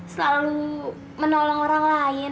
selalu menolong orang lain